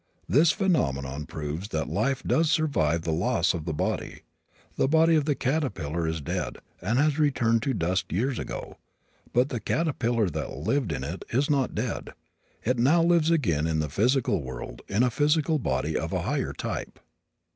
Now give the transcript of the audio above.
This phenomenon proves that life does survive the loss of the body. The body of the caterpillar is dead and has turned to dust years ago, but the caterpillar that lived in it is not dead. It now lives again in the physical world in a physical body of a higher type.